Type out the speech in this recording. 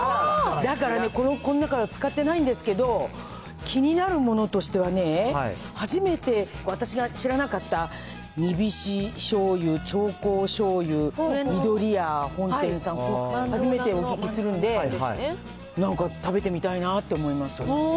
だからね、この中の使ってないんですけど、気になるものとしてはね、初めて私が知らなかった、にびし醤油、ちょうこう醤油、みどりやほんてんさん、初めてお聞きするんで、なんか食べてみたいなって思います。